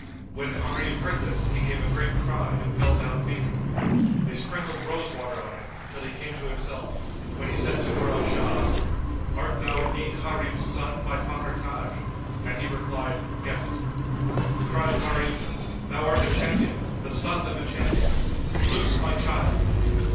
When Gharib heard this, he gave a great cry and fell down fainting. They sprinkled rose water on him, till he came to himself, when he said to Murad Shah, "Art thou indeed Gharib's son by Fakhr Taj?"; and he replied, "Yes." Cried Gharib, "Thou art a champion, the son of a champion. Loose my child!"